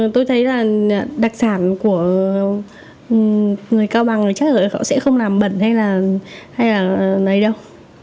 tôi thấy là đặc sản của người cao bằng chắc là họ sẽ không làm bẩn hay là lấy đâu